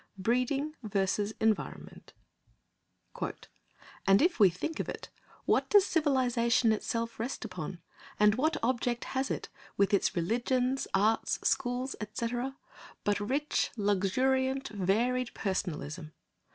CHAPTER XIII THE WOMAN'S WOMAN: A PERSON "… And, if we think of it, what does civilisation itself rest upon—and what object has it, with its religions, arts, schools, etc., but rich, luxuriant, varied Personalism?